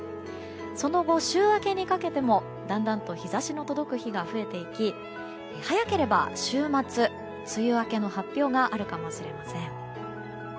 その後、週明けにかけてもだんだんと日差しの届く日が増えていき、早ければ週末梅雨明けの発表があるかもしれません。